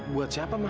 buat siapa ma